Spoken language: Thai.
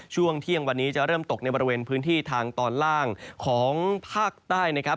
ช่วงเที่ยงวันนี้จะเริ่มตกในบริเวณพื้นที่ทางตอนล่างของภาคใต้นะครับ